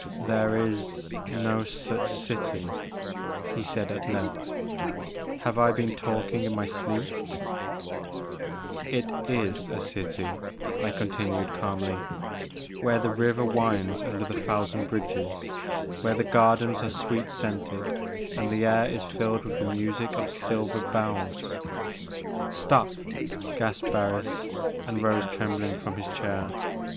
"There is no such city," he said at length, " have I been talking in my sleep ?" "It is a city," I continued, calmly, "where the river winds under the thousand bridges, where the gardens are sweet scented and the air is filled with the music of silver bells '' "Stop!" gasped Barris, and rose trembling from his chair.